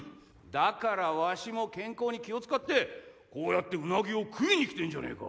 だからわしも健康に気を遣ってこうやってうなぎを食いに来てんじゃねえか。